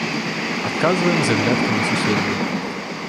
Адказваем з аглядкай на суседзяў.